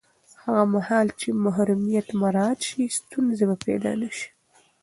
هغه مهال چې محرمیت مراعت شي، ستونزې به پیدا نه شي.